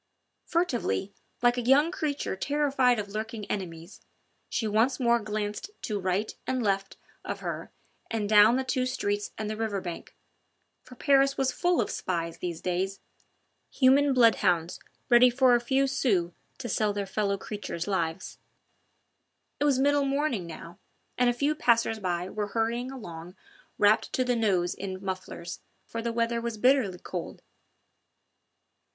Furtively, like a young creature terrified of lurking enemies, she once more glanced to right and left of her and down the two streets and the river bank, for Paris was full of spies these days human bloodhounds ready for a few sous to sell their fellow creatures' lives. It was middle morning now, and a few passers by were hurrying along wrapped to the nose in mufflers, for the weather was bitterly cold.